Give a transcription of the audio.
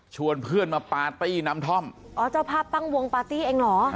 เพื่อนมาปาร์ตี้น้ำท่อมอ๋อเจ้าภาพตั้งวงปาร์ตี้เองเหรอ